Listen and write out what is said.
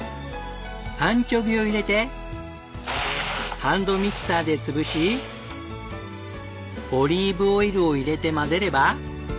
アンチョビを入れてハンドミキサーで潰しオリーブオイルを入れて混ぜれば。